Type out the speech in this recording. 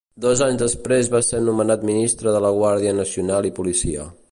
Dos anys després va ser nomenat Ministre de la Guàrdia Nacional i Policia.